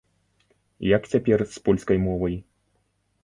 Як цяпер з польскай мовай?